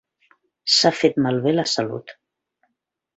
S'ha fet malbé la salut.